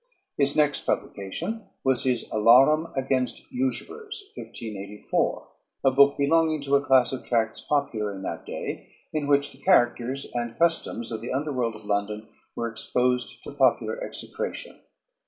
His next publication was his "Alarum against Usurers" (1584), a book belonging to a class of tracts popular in that day in which the characters and customs of the underworld of London were exposed to popular execration.